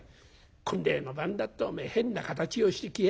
婚礼の晩だっておめえ変な形をしてきやがって。